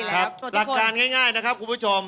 หลักการง่ายนะครับคุณผู้ชม